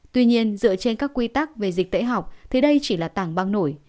tuy nhiên dựa trên các quy tắc về dịch tễ học thì đây chỉ là tảng băng nổi